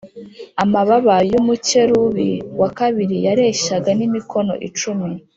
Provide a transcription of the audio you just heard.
Amababa y umukerubi wa kabiri yareshyaga n imikono icumi